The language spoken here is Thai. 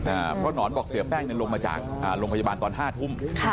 เพราะหนอนบอกเสียแป้งเนี่ยลงมาจากอ่าโรงพยาบาลตอนห้าทุ่มค่ะ